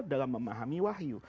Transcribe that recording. dalam memahami wahyu